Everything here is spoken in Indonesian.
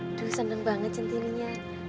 aduh seneng banget centininya